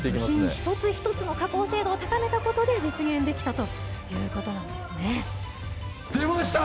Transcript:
一つ一つの加工精度を高めたことで、実現できたということな出ました。